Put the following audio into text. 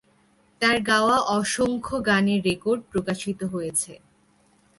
তার গাওয়া অসংখ্য গানের রেকর্ড প্রকাশিত হয়েছে।